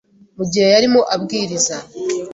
Mu gihe yarimo abwiriza